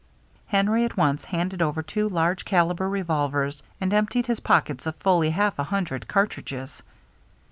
Henry at once handed over two large caliber revolvers, and emptied his pockets of fully half a hundred cartridges.